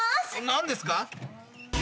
何ですか！？